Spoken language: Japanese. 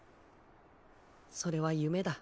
それは夢だ。